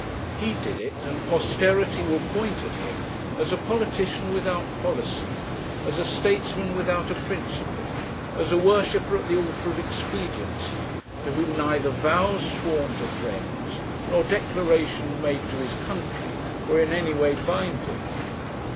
He did it, and posterity will point at him as a politician without policy, as a statesman without a principle, as a worshipper at the altar of expediency, to whom neither vows sworn to friends, nor declarations made to his country, were in any way binding.